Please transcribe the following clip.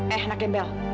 eh anak gembel